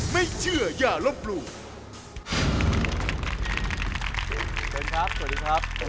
ไม่เชื่ออย่ารบลูก